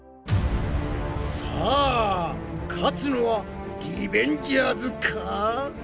さあ勝つのはリベンジャーズか？